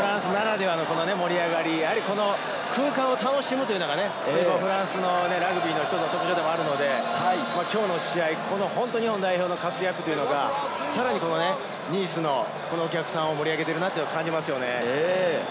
フランスならではの盛り上がり、空間を楽しむというのがフランスのラグビーの特徴でもあるので、きょうの試合、日本代表の活躍がさらにニースのお客さんを盛り上げていると感じますね。